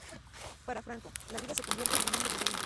Para Franco, la vida se convierte en un verdadero infierno.